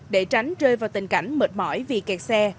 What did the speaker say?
để tránh rơi vào tình cảnh mệt mỏi vì kẹt xe